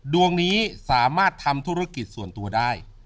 ดวงนี้สามารถทำธุรกิจส่วนตัวได้